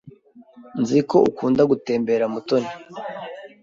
Nzi ko ukunda gutembera, Mutoni.